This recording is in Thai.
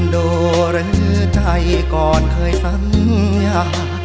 โดหรือใจก่อนเคยสัญญา